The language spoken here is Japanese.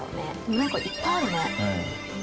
何かいっぱいあるね。